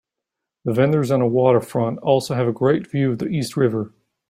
The vendors on the waterfront also have a great view of the East River.